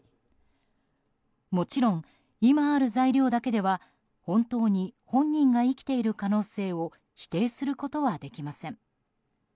もちろん、今ある材料だけでは本当に本人が生きている可能性を否定することはできません。